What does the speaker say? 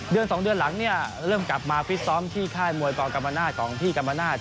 เดือนสองเดือนหลังเนี่ยเริ่มกลับมาฟิศซ้อมที่ค่ายมวยปกรรมนาศ